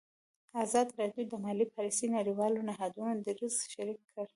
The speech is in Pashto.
ازادي راډیو د مالي پالیسي د نړیوالو نهادونو دریځ شریک کړی.